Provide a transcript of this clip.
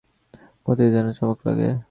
মতির যেন চমক লাগে।